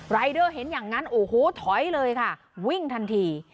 รายเดอร์เห็นอย่างนั้นโอ้โหถอยเลยค่ะวิ่งทันที